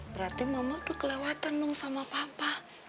berarti mama tuh kelewatan dong sama papa